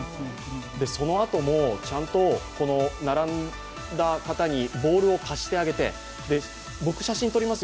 そのあともちゃんと並んだ方にボールを貸してあげて僕、写真撮ります